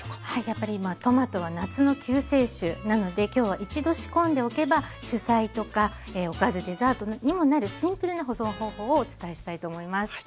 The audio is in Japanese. やっぱり今トマトは夏の救世主なので今日は一度仕込んでおけば主菜とかおかずデザートにもなるシンプルな保存方法をお伝えしたいと思います。